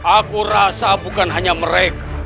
aku rasa bukan hanya mereka